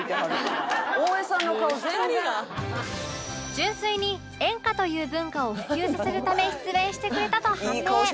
純粋に演歌という文化を普及させるため出演してくれたと判明